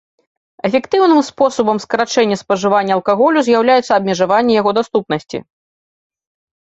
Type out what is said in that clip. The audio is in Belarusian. Эфектыўным спосабам скарачэння спажывання алкаголю з'яўляецца абмежаванне яго даступнасці.